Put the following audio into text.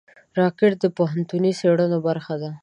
راکټ د پوهنتوني څېړنو برخه ده